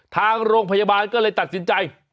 ทางโรงพยาบาลก็เลยตัดสินใจ